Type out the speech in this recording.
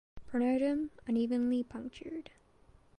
Pronotum unevenly punctured.